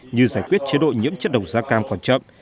như giải quyết chế độ nhiễm chất độc da cam còn chậm